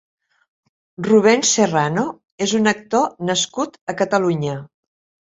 Rubén Serrano és un actor nascut a Catalunya.